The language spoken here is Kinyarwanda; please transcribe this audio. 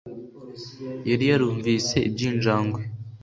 yari yarumvise iby'injangwe